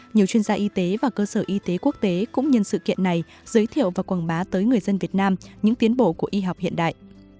nhiều chuyên gia y tế và cơ sở y tế quốc tế cũng nhân sự kiện này giới thiệu và quảng bá tới người dân việt nam những tiến bộ của y học hiện đại